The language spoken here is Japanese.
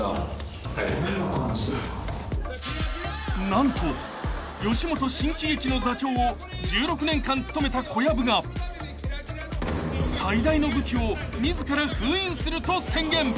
［何と吉本新喜劇の座長を１６年間務めた小籔が最大の武器を自ら封印すると宣言］